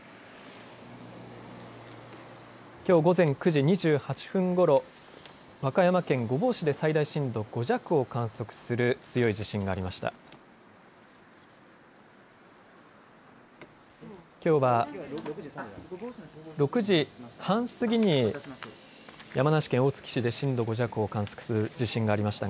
きょう午前９時２８分ごろ、和歌山県御坊市で最大震度５弱を観測する強い地震がありました。